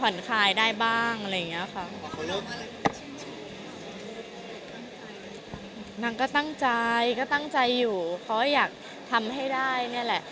นางก็ตั้งใจก็ตั้งใจอยู่เขาก็อยากทำให้ได้เนี่ยแหละ